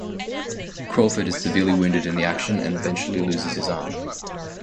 Crawford is severely wounded in the action and eventually loses his arm.